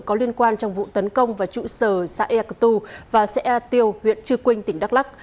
có liên quan trong vụ tấn công vào trụ sở xã ea cơ tu và xã e tiêu huyện trư quynh tỉnh đắk lắc